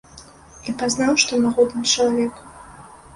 І пазнаў, што магутны чалавек.